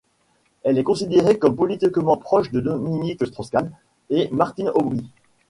Elle est considérée comme politiquement proche de Dominique Strauss-Kahn et Martine Aubry.